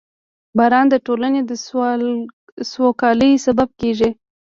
• باران د ټولنې د سوکالۍ سبب کېږي.